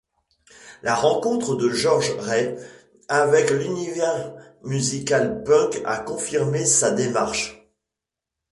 La rencontre de Georges Rey avec l’univers musical punk a confirmé sa démarche.